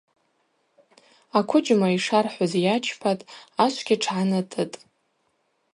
Аквыджьма йшархӏвыз йачпатӏ, ашвгьи тшгӏанатӏытӏ.